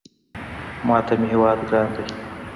ماته مې هېواد ګران دی